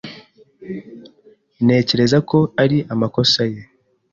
Ntekereza ko ari amakosa ye.